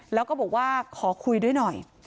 แล้วก็บอกว่าขอคุยด้วยหน่อย